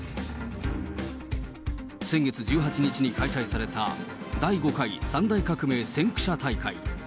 先月１８日に開催された第５回三大革命先駆者大会。